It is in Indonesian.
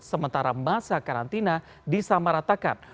sementara masa karantina disamaratakan